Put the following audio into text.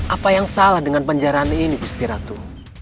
apa yang salah dengan penjaraan ini agustin ratu